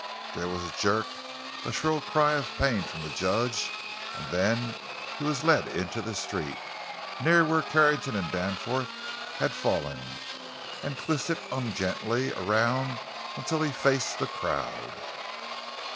There was a jerk, a shrill cry of pain from the judge, and then he was led into the street, near where Carrington and Danforth had fallen, and twisted ungently around until he faced the crowd.